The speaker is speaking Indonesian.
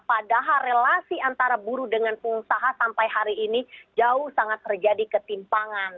padahal relasi antara buruh dengan pengusaha sampai hari ini jauh sangat terjadi ketimpangan